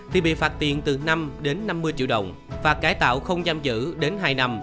thì bị phạt tiền từ năm đến năm mươi triệu đồng và cải tạo không giam giữ đến hai năm